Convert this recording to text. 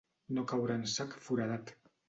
No caure en sac foradat.